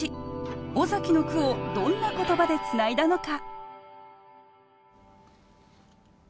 尾崎の句をどんな言葉でつないだのか。